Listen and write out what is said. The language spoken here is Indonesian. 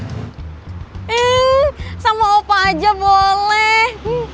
hmm sama opa aja boleh